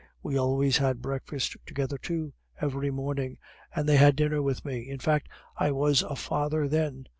We always had breakfast together, too, every morning, and they had dinner with me in fact, I was a father then.